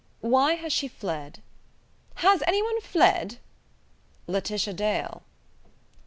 "Why has she fled?" "Has any one fled?" "Laetitia Dale."